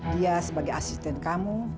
dia sebagai asisten kamu